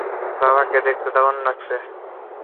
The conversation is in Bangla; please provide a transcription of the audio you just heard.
বাবাকে দেখতে তো দারুণ লাগছে!